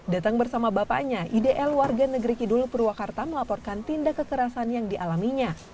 datang bersama bapaknya idl warga negeri kidul purwakarta melaporkan tindak kekerasan yang dialaminya